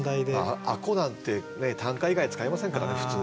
「吾子」なんて短歌以外使いませんからね普通ね。